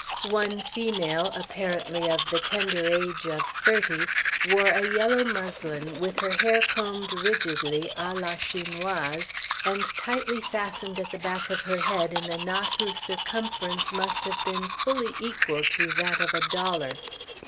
One female, apparently of the tender age of thirty, wore a yellow muslin, with her hair combed rigidly à la chinoise, and tightly fastened at the back of her head in a knot whose circumference must have been fully equal to that of a dollar.